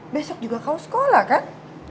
besok juga kau sekolah kan